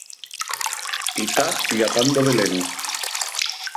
Y ta llapando velenu.